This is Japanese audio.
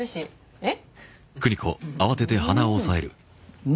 えっ？